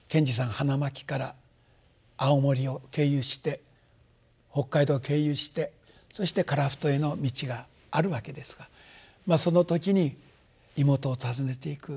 花巻から青森を経由して北海道を経由してそして樺太への道があるわけですがその時に妹を訪ねていく。